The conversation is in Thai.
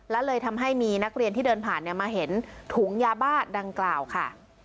และเลยทำให้มีนักเรียนที่เดินผ่านมาเห็นถุงยาบ้าดังกล่าวค่ะ